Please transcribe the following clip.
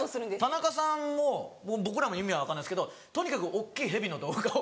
田中さんも僕らも意味は分かんないですけどとにかく大っきい蛇の動画を。